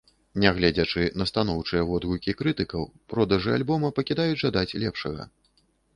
Нягледзячы на станоўчыя водгукі крытыкаў, продажы альбома пакідаюць жадаць лепшага.